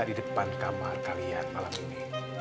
di depan kamar kalian malam ini